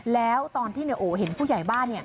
แล้วตอนที่นายโอเห็นผู้ใหญ่บ้าน